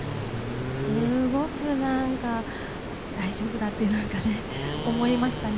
すごく何か大丈夫だって何かね思いましたね。